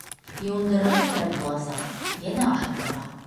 Йыуындырырға кәрәк буласаҡ, йәнә ашатырға.